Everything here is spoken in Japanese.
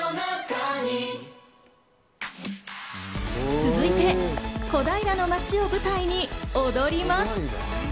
続いて小平の街を舞台に踊ります。